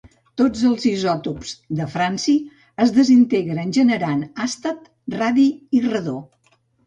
Tots els isòtops del franci es desintegren generant àstat, radi i radó.